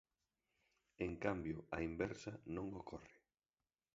En cambio, á inversa non ocorre.